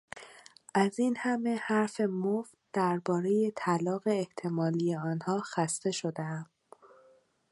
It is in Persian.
از اینهمه حرف مفت دربارهی طلاق احتمالی آنها خسته شدهام.